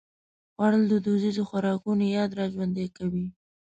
خوړل د دودیزو خوراکونو یاد راژوندي کوي